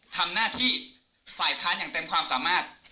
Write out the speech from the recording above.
ทำหน้าที่ฝ่ายค้านอย่างเต็มความสามารถ